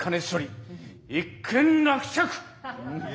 一件落着。